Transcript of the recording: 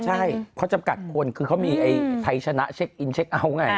ใช่เขาจำกัดคนคือเขามีไทยชนะเช็คอินเช็คเอาท์ไง